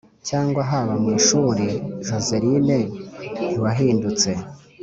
cyangwa haba mu ishuri joselyine ntiwahindutse